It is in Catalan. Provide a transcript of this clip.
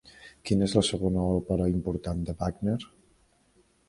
Quina és la segona òpera important de Wagner?